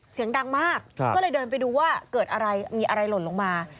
เสียงดังมากก็เลยเดินไปดูว่าเกิดอะไรมีอะไรหล่นลงมา